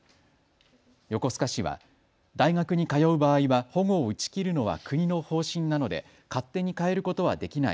横須賀市は大学に通う場合は保護を打ち切るのは国の方針なので勝手に変えることはできない。